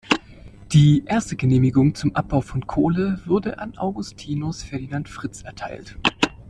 Die erste Genehmigung zum Abbau von Kohle wurde an Augustinus Ferdinand Fritz erteilt.